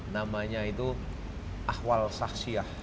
namanya itu ahwal saksiah